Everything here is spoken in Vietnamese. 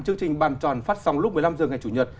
chương trình bàn tròn phát sóng lúc một mươi năm h ngày chủ nhật